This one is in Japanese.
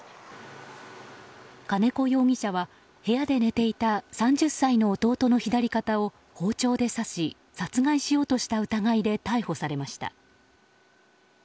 金子容疑者は部屋で寝ていた３０歳の弟の左肩を包丁で刺し殺害しようとした疑いで逮捕されました。